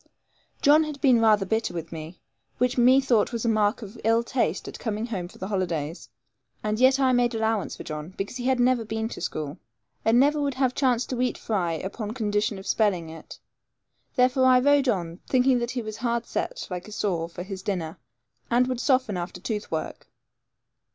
John had been rather bitter with me, which methought was a mark of ill taste at coming home for the holidays; and yet I made allowance for John, because he had never been at school, and never would have chance to eat fry upon condition of spelling it; therefore I rode on, thinking that he was hard set, like a saw, for his dinner, and would soften after tooth work.